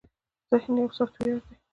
ذهن يو سافټ وئېر دے